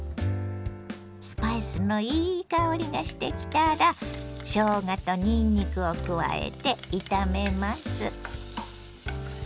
スパイスのいい香りがしてきたらしょうがとにんにくを加えて炒めます。